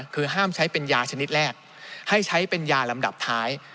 คือห้ามใช้เป็นยาชนิดแรกให้ใช้เป็นยาลำดับท้าย